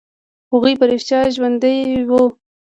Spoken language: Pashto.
هغوى په رښتيا ژوندي وو.